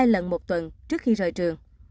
hai lần một tuần trước khi rời trường